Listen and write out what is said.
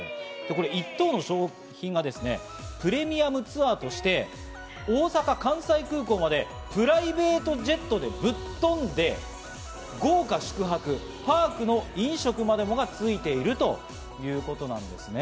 これ、１等の賞品がプレミアムツアーとして、大阪、関西空港までプライベートジェットでぶっとんで、豪華宿泊、パークの飲食までもがついているということなんですね。